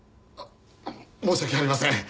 申し訳ありません。